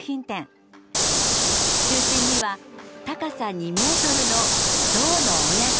中心には高さ２ｍのゾウの親子。